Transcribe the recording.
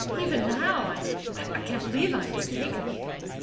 "Even now I I can't believe I'm mistaken."